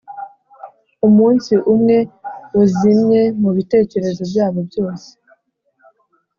umunsi umwe uzimye mubitekerezo byabo byose.